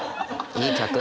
いい客。